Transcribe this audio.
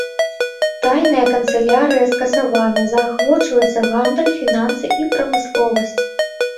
Тайная канцылярыя скасавана, заахвочваецца гандаль, фінансы і прамысловасць.